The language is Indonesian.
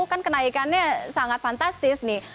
kan kenaikannya sangat fantastis nih